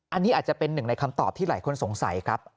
อันนี้อาจจะเป็นหนึ่งในคำตอบที่หลายคนสงสัยครับ